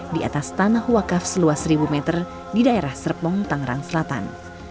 di atas tanah wakaf seluas seribu meter di daerah serpong tangerang selatan